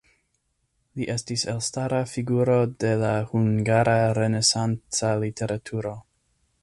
Li estis elstara figuro de la hungara renesanca literaturo.